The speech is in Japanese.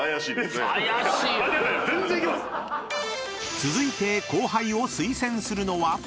［続いて後輩を推薦するのは］